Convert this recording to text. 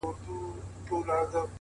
هره ورځ د ځان اصلاح فرصت دی؛